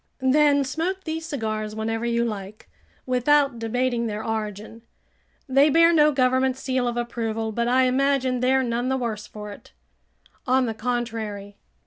"Then smoke these cigars whenever you like, without debating their origin. They bear no government seal of approval, but I imagine they're none the worse for it." "On the contrary."